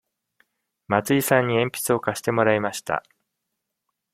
松井さんに鉛筆を貸してもらいました。